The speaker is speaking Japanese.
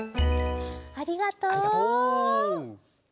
ありがとう。